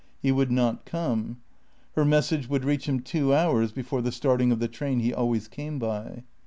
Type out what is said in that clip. He would not come. Her message would reach him two hours before the starting of the train he always came by.